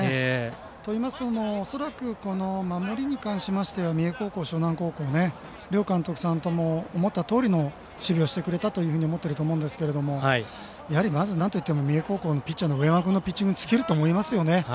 といいますのも恐らく守りに関しましては三重高校、樟南高校両監督さんとも思ったとおりの守備をしてくれたと思っていると思うんですがやはりまず、なんといっても三重高校の上山君のピッチングに尽きると思います。